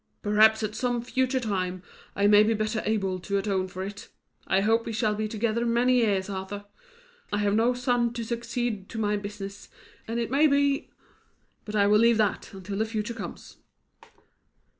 Perhaps at some future time, I may be better able to atone for it. I hope we shall be together many years, Arthur. I have no son to succeed to my business, and it may be But I will leave that until the future comes."